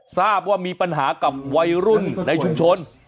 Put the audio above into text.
ทราบว่ามีปัญหากับวัยรุ่นในชุมชน